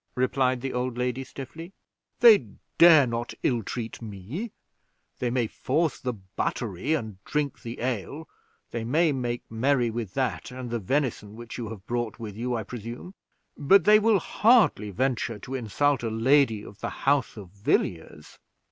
replied the old lady, stiffly. "They dare not ill treat me they may force the buttery and drink the ale they may make merry with that and the venison which you have brought with you, I presume, but they will hardly venture to insult a lady of the House of Villiers."